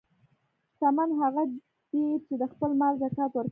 شتمن هغه دی چې د خپل مال زکات ورکوي.